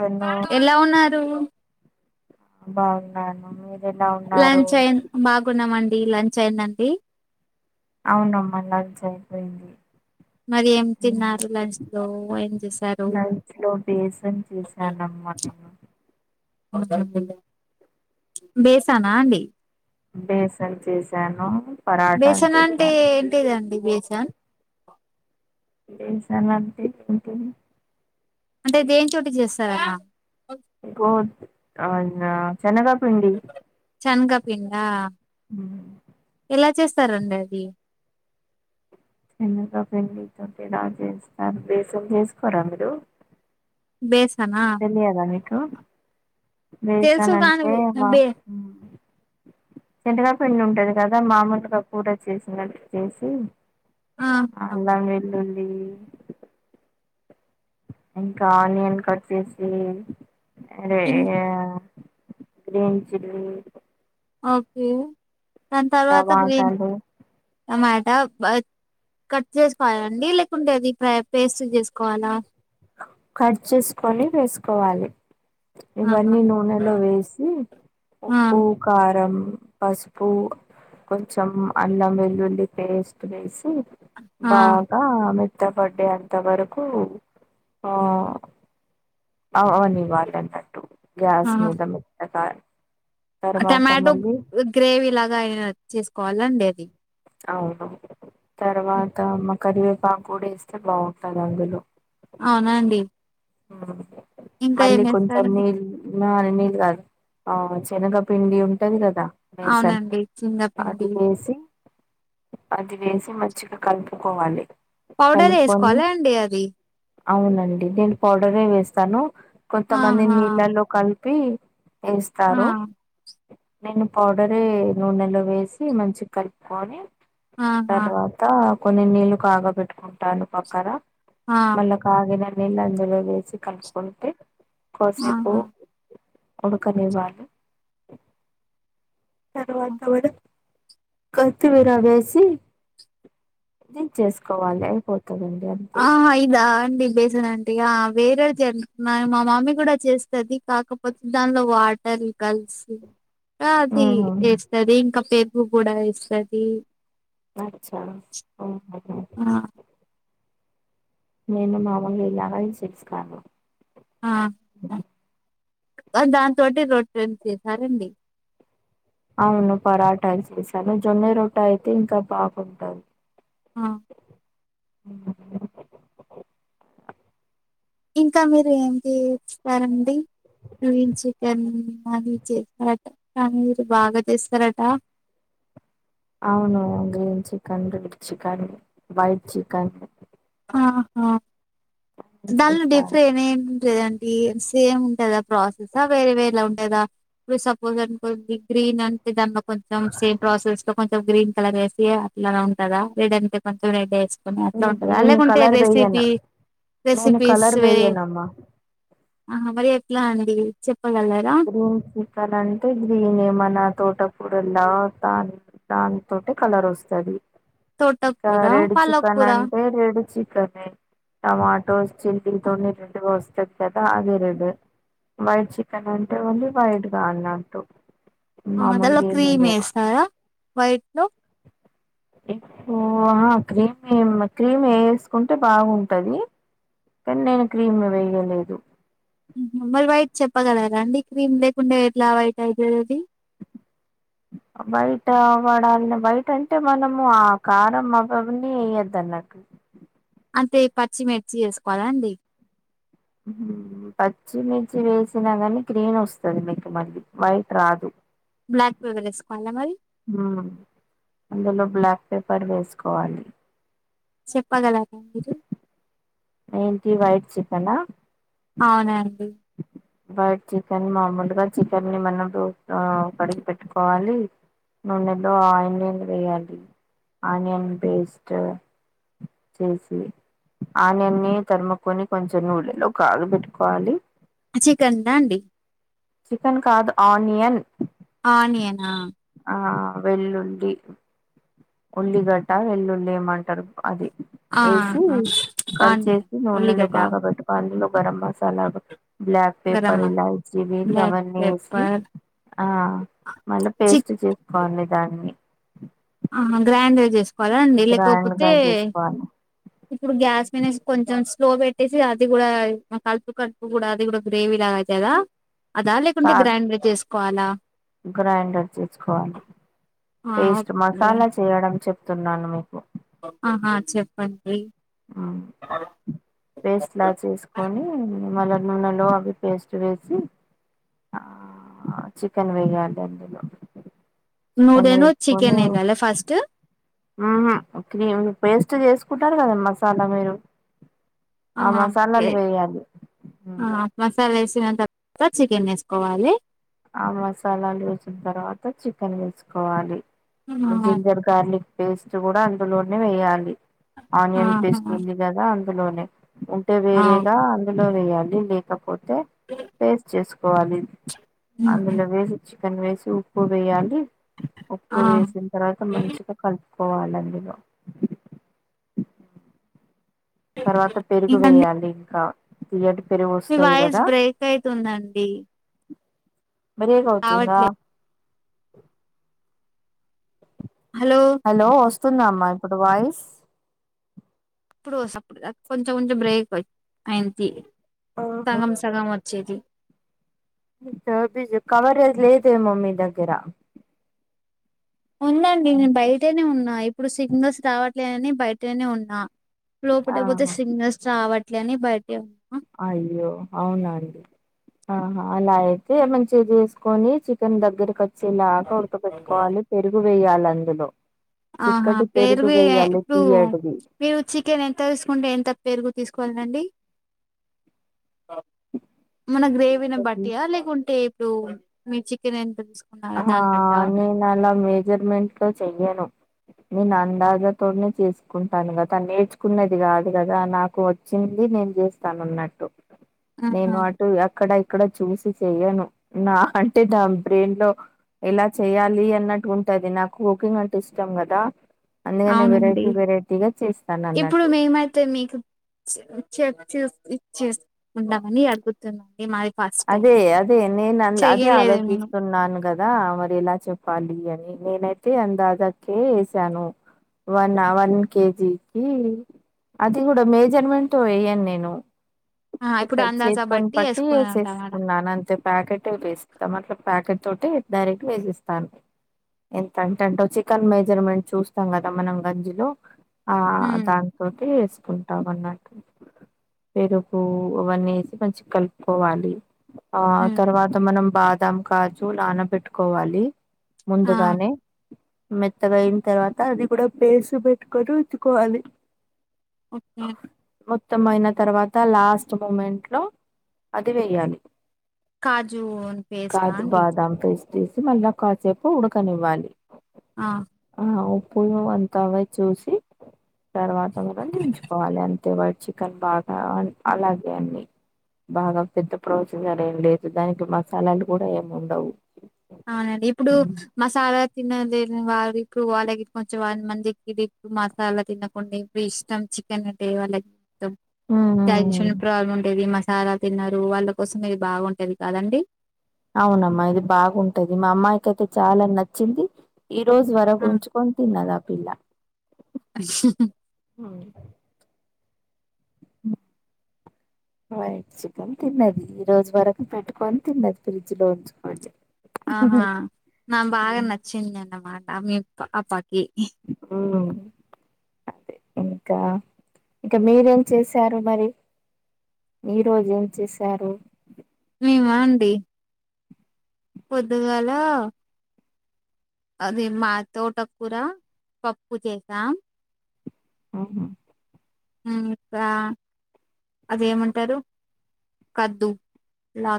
Hello ఎలా ఉన్నారు బాగున్నాను మీరెలా ఉన్నారు లంచ్ అయింది బాగున్నామండి లంచ్ అయిందండి అవునమ్మా లంచ్ అయిపోయింది మరి ఏం తిన్నారు లంచ్ లో ఏం చేసారు అమ్మ నిన్ను బేసానా అండి బేసన్ చేసాను బేసన్ అంటే ఏంటిదండి బేసన్ బెసన్ అంటే ఏంటిది అంటే దేని చోటు చేస్తారల ఆ నా చెనగ పిండి తిన్నా ఊ ఇలా చేస్తారండి అది సెనగా పిండితోటిలా చేస్తారు బేేశం చేసుకోరా మీరు బెస్ట్ తెలియదా మీకు తెలుసు బేసన్ అంటే కాని మా బే సెనగా పిండి ఉంటది కదా మామూలుగా కూర చేసినట్టు చేసి ఆ ఆ. అల్లం వెళ్లులీ ఇంకా ఆనియన్ కట్ చేసి అదే ఇం- ఇగ గ్రీన్ చిల్లి ఓకే దాని తర్వాత గ్రీన్ టమాటాలు టమాటా కట్ చేసుకోవాలండి లేకుంటే అది పేస్ట్ చేసుకో కట్ చేసుకొని వేసుకోవాలి ఆహా ఇవన్నీ నూనెలో వేసి ఆ ఉప్పు కారం పసుపు కొంచెం అల్లం వెల్లుల్లి పేస్ట్ వేసి ఆ బాగా మెత్తబడ్డే అంతా వరకు ఉ ఆ అవనివ్వాలన్నట్టు గ్యాస్ ఆ మీద మెత్తగా తర్వాత టమాటో మళ్ళీ గ్రేవీ లాగా అయినా చేసుకోవాలండి అది అవును తర్వాత అమ్మ కరివేపాకు కూడా వేస్తే బాగుంటంది అందులో అవునాండి ఊ మళ్ళీ కొంచం నీళ్లు నాని నీళ్లు కాదు ఆ శనగపిండి ఉంటది కదా బేసన్ అవునండి అది చింతపిండి వేసి అది వేసి మంచిగా కలుపుకోవాలి పౌడర్ ఏ కలుపుకొని వేసుకోవాలా అండి అది అవునండి నేను పౌడరే వేస్తాను కొంతమంది ఆహా నీళ్ళల్లో కలిపి ఆ! ఏస్తారు నేన్ పౌడర్ నూనెలో వేసి మంచి కలుపుకొని ఆహా! తర్వాత కొన్ని నీళ్లు కాగ పెట్టుకుంటాను పక్కన ఆ! మళ్ల కగినన్నిల్ అందులో వేసి కలుపుకుంటే కొసేపు ఆహా! ఉడకనివ్వాలి తరువాత మనం కొత్తిమీర వేసి దించేసుకోవాలి అయిపోత ఆ ఐయిదాన్ ది బేసన్ ఆంటీ ఆ వేరే చెన్ మా మమ్మీ కూడా చేస్తది కాకపోతే దానిలో వాట్ ల్ కలిసి ఆ అది ఆహా ఏస్తది ఇంకా పెరుగు కూడా యేస్తది అచ్చా ఒకే ఒకే ఆ! నేను మామూలుగా వెళ్లా గానీ సిక్స్ కాదు ఆ మరి దాంతోటి రోట్టలు చేసారండి అవును పరాటలు చేశాను జొన్నె రొట్ట అయితే ఇంకా బాగుంటది ఆ! [unintelligible] ఇంకా మీరు ఏం తీ స్తారండి గ్రీన్ చికెన్ అన్నీ చేస్తారట కానీ మీరు బాగా చేస్తారట అవును green chicken red chicken white chicken ఆహా దానిలో చేస్తారు డిఫరెంట్ ఏమింటదండి సేమ్ ఉంటుందా ప్రాసెసా వేరే వేరలా ఉండేదా ఇప్పుడు సపోజ్ అనుకో గ్రీన్ అంటే దానిలో కొంచెం సేమ్ ప్రాసెస్ లో కొంచెం గ్రీన్ కలర్ వేసి అట్లానే ఉంటదా లేదంటే కొంచం రెడ్ ఎసి కొని అట్లా ఉంటందా నేను లేకుంటే కలర్ వేయ్యను రెసిపీ నేను రెసిపీస్ కలర్ వేరే వేయ్యనమ్మా ఆహా మరి ఎట్లా అండి చెప్పగలరా? ఇప్పుడు గ్రీన్ చికెన్ అంటే గ్రీన్ ఏమనా తోట ఇప్పు లా తాన్ దానితోటె కలర్ వస్తది ఇంకా తోటకూర, రెడ్ చికెన్ పాలకూర అంటే రెడ్ చికెన్ తోనే టమాటోస్ చిల్లీతోనే రెడ్ వస్ చోపెద అది రెడ్ వైట్ చికెన్ అంటే ఓలీ వైట్ గా అన్నట్టు ఆ దాలో మామూలుగా ఏం క్రీమ్ వేయను ఏస్తారా వైట్ లో ఉహు ఆహా క్రీమ్ ఏమ్ క్రీమ్ ఎసుకుంటే బాగుంటది కానీ నేను క్రీమ్ వేయలేదు మరి వైట్ చెప్పగలరా అండి క్రీమ్ లేకుండా ఎట్లా వైట్ ఐయితది అది వైట్ పడాలని వైట్ అంటే మనము ఆ కారం అవవన్నీ వెయ్యొద్దు అన్నట్టు అంతే పచ్చిమిర్చి ఏసుకోవాలాండి పచ్చిమిర్చి వేసినా కాని గ్రీన్ వస్తది మీకు మళ్ళీ వైట్ రాదు బ్లాక్కుపెప్పర్ ఏసుకోవాలా మరి ఉమ్ అందులో బ్లాక్ పేపర్ వేసుకోవాలి చెప్పగలరా మీరు ఏంటి వైట్ చికెనా అవునండి వైట్ చికెన్ మాముూలుగా చికెన్ ని మనం ఆ కడిగి పెట్టుకోవాలి నూనే లో ఆనియన్ వేయాలి ఆనియన్ పేస్ట్ చేసి ఆనియన్ నీ తరుముకొని కొంచెం నూనెలో కాగబెట్టుకోవాలి చికెన్ దా అండి చికెన్ కాదు ఆనియన్ ఆనియనా ఆ వెల్లుల్లి ఉల్లిగడ్డ వెల్లుల్లి ఏమంటారు అది ఆ ఏసి ఆ ఆనియన్ కడ్చేసి నూనెలో ఉల్లిగడ్డ కాగాబెట్టు లొ గరం మసాలాగా బ్లాక్ గరం పేపర్ మసాలా, ఇలాయచి బ్లాక్ అవన్నీ వేసి పెప్పర్ ఆ మళ్ళా చి పేస్ట్ చేసుకోవాలి దాన్ని ఆహా గ్రాండాగా చేసుకోవాలా అండి గ్రైండ్ లేకపోతే గా చేసుకోవాలి ఇప్పుడు గ్యాస్ వినేసి కొంచెం స్లో పెట్టేసి అది కూడా కలుపు కడుపు కూడా అది కూడా గ్రేవీ ఎలాగ అవుతుదా అదా లేకుంటే కాదు గ్రైండర్ చేసుకోవాలా గ్రైండర్ తీసుకోవాలి ఆ పేస్ట్ ఓకే మసాలా చేయడం చెప్ ప్తూన్నాను మీకు ఆహా చెప్పండి ఉమ్ పేస్ట్ లా చేసుకొని మళ్ళ నునోలో అవి పేస్ట్ వేసి ఆ చికెన్ వెయ్యండి అందులో చికెన్ నూనెను వేసుకని చికెన్ వేయాలి ఫస్ట్ ఉహుం క్రీంపేస్ట్ చేసు కుంటారు కదమ్మా చాలా మీరు ఆ ఆహా పే మసాలాలు వేయాలి ఆ మసాలాసి తినేంత తర్వాత చికెన్ వేసుకోవాలి ఆ మసాలాలు వేసిన తర్వాత చికెన్ వేసుకోవాలి ఆ, జింజర్ గార్లిక్ పేస్ట్ కూడా అందులోనే వేయాలి ఆనియన్ ఆహా పేస్ట్ ఉంది కదా అందులోనే ఉంటే అవు వేరేగా అందులో వేయాలి లేకపోతే పేస్ట్ చేసుకోవాలి అందులో వేసి చిప్ చికన్ వేసి ఉప్పు వేయాలి ఉప్పు ఆ వేసిన తర్వాత మంచిగా కలుపు పోవాలిఅందులో తర్వాత పెరుగు ఇంకండి వేయాలి ఇంకా తీయటి పెరుగు మీ వస్తది వాయిస్ కదా బ్రేక్ అయితుందండి బ్రేక్ అవుతుందా? రావట్లేదు హలో వస్తుందా అమ్మా ఇప్పుడు వాయిస్ ఇప్పుడు [inaudible] ప్పుడు కొంచెం కొంచెం బ్రేక్ అయింతి ఆహా సగం సగం వచ్చేది బిజు బిజు కవరేది లేదేమో మీ దగ్గర ఉందండి నేను బయటనే ఉన్నా ఇప్పుడు సిగ్నల్స్ రావట్లేదని బయటనే ఉన్నా లోపటాగుపోతే ఆహా సిగ్నల్స్ రావట్లే అని బయటే అయ్యో అవునా అండి ఆహా అలా అయితే మంచిగా చేసుకొని చికెన్ దగ్గరకి చిలా కొఉడక పెట్టుకోవాలి పెరుగు వేయాలి అందులో ఆహా చిక్కటి పెరుగు ఏ వేయాలి ఇప్పుడు తీయటిది మీరు చికెన్ ఎంత తీసుకుంటే ఎంత పెరుగు తీసుకోవాలండి మన గ్రేవీ న బట్టియా లేకుంటే ఇప్పుడు మీ చికెన్ ఎంత తీస్ ఆ నేను అలా మేజర్మెంట్ లో చెయ్యను నేను అందదాతోనే చేసుకుంటాను కదా నేర్చుకునేది కాదు కదా నాకు వచ్చింది. నేను చేస్తాను అన్నట్టు ఆహా! నేను అటు అక్కడ ఇక్కడ చూసి చేయను నా అంటే నా బ్రెయిన్ లో ఎలా చెయ్యాలి అన్నట్టు ఉంటది నాకు కుకింగ్ అంటే ఇష్టం కదా అందుకనే అవునండి. వెరైటీ వెరైటీగా చేస్తాను అన్నట్టు చే చెక్ చే [inaudible] చెక్ చేసుకుందామని అడుగుతున్నానండి మాది ఫస్ట్ టైం. అదే అదే నేను అ అదే చెయ్యలేదు నేను. ఆలోచిస్తున్నాను గదా మరి ఎలా చెప్పాలి అని నేనైతే అందాదకే ఏసాను వన్ ఆ వన్ కేజీకి అది కూడా మేజర్మెంట్ వేయను నేను ఆ! ఇప్పుడు ఎక్స్టా అందాజ చేతోని బట్టి పట్టి ఏసుకున్నాం చేస్త టమాట. వేసుకున్నాను అంతే ప్యాకెట్ వేసిస్తాం అట్ ప్యాకెట్ తోటి డైరెక్ట్ వేసిస్తాను ఎంత అంటే అంటో చికెన్ మెజర్మెంట్ చూస్తాం కదా మనం గంజిలో ఆ హ్మ్. దాంతోకి కొంటాం అన్నట్టు పెరుగు అవన్నీ వేసి మంచిగ కలుపుకోవాలి ఆ హ్మ్. తర్వాత మనం బాదాం కాజు నాన పెట్టుకోవాలి ఆ ముందుగానే మెత్తగా అయిన తర్వాత అది కూడా పేసి పెట్టుకొని ఉతుకోవాలి ఓకే మొత్తం అయిన తర్వాత లాస్ట్ మూమెంట్ లో అది వెయ్యాలి కాజు పేస్టా కాజు అండి బాదాం పేస్టిస్ మళ్ళ కాసేపు ఉడకనివ్వాలి ఆ ఆ ఉప్పు అంత అవె చూసి తర్వాత గూడా దించుకోవాలి అంతే వాట్ చికెన్ బాగ ఆ అన్ హ్మ్. అలాగే అన్నీ బాగా పెద్దప్ ప్రొసీజర్ ఏం లేదు దానికి మసాలాలు కూడా ఏముండవు అవునండి ఇప్పుడు మసాలా తినలేద్ వాళ్ళకిప్పుడు వాళ్ళకి కొంచెం వాన్ మందికి ఇప్పుడు మసాలా తినకుండా ఇప్పుడు ఇష్టం చికెన్ అంటే ఇగ వాళక్ ఇష్టం డైజెషన్ ప్రాబ్లమ్ ఉండేది మస్త్ చాలా తిన్నారు వాళ్ళ కోసం ఇది బాగుంటది కాదండీ అవునమ్మా ఇది బాగుంటది మా అమ్మాయికైయితే చాలా నచ్చింది ఈ రోజు వరకు ఉంచుకొన్ తిన్నదాపిల్ల ముహ్ ఉంటే [unintelligible] వైట్ చికెన్ తిన్నది ఈ రోజు వరకు పెట్టుకొని తిన్నది ఫ్రిడ్జ్ లో ఉంచుకొని ఆహా నాం బాగా నచ్చిందన్నమాట మీ పాపకి ఉమ్ [unintelligible] [inaudible] అదే ఇంకా ఇంక మీరేం చేశారు మరి ఈ రోజేం చేసారు చేశారు మేమా అండి పొద్దుగాల అది మా తోటకూర పప్పు చేసాం అవునా ము రా అదేమంటారు కద్దు లా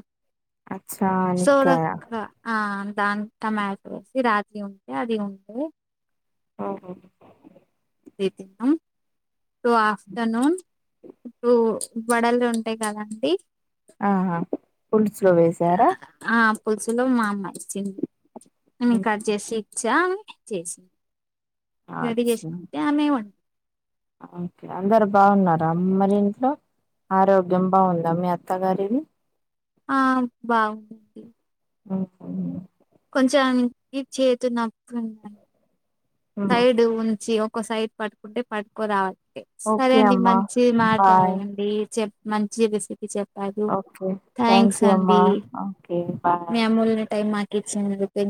అచ్చా నిక్కయ సోరక్ ఆ దాన్ టమాటొ కి రాత్రి ఉంటే అది ఉంటే ఓహో అది తిన్నం సో ఆఫ్టర్నూన్ ఇప్పుడు వడలుంటాయి కదా అండి ఆహా పులుసులో వేశారా ఆ పులుసులో మా అమ్మ ఇచ్చింది నేన్ కట్ చేసి ఇచ్చా చేసింది రెడి అచ్చా చేసిత్తె ఆమె వండింది ఓకే అందరు బాగున్నారా మరి ఇంట్లో ఆరోగ్యం బాగుందా మీ అత్త గారిది ఆ బా ఉం ది ఊహు కొంచెం ఈ చేతినోప్పుందండ్ సైడ్ ఉంచి ఒక సైడ్ పట్టుకుంటే పట్కోరావల్ సరే ఓకే అండి అమ్మా మంచిగా బాయ్ మాట్లాడండి చెప్ మంచిగా రిసివ్ చెప్పారు ఓకే థ్యాంక్ థాంక్స్ యూ అమ్మా అండి. ఓకే మీ బాయ్ అమూల్య టైం మాక్ కిచ్చినందుకు ఎన్